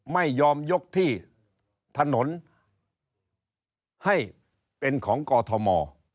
ไม่ยอมยกที่ถนนให้เป็นของกอทม